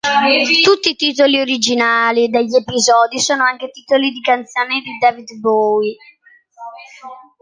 Tutti i titoli originali degli episodi sono anche titoli di canzoni di David Bowie.